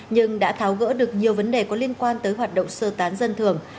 nhưng đã tháo gỡ được nhiều vấn đề có liên quan tới hoạt động sơ tán dân thường